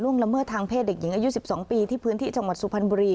ร่วงละเมื่อทางเพศเด็กหญิงอายุสิบสองปีที่พื้นที่จังหวัดสุพรรณบุรี